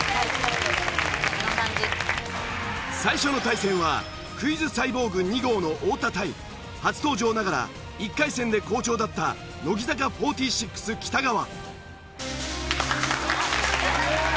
最初の対戦はクイズサイボーグ２号の太田対初登場ながら１回戦で好調だった乃木坂４６北川。